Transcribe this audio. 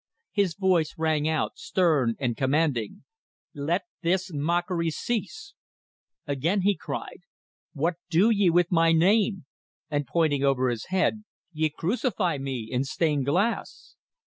His voice rang out, stern and commanding: "Let this mockery cease!" Again he cried: "What do ye with my Name?" And pointing over his head: "Ye crucify me in stained glass!"